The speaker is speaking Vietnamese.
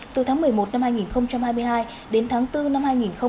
từ tháng một mươi một năm hai nghìn hai mươi hai đến tháng bốn năm hai nghìn hai mươi ba